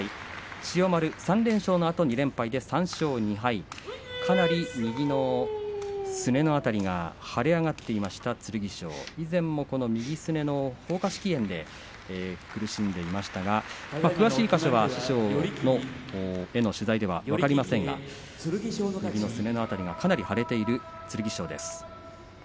千代丸３連勝のあと２連敗で３勝２敗かなり右のすねの辺りが腫れ上がっていました剣翔、以前もこの右すねのほうか織炎で苦しんでいましたが詳しい箇所は師匠への取材では分かりませんが右のすねの辺りがかなり腫れている剣翔です。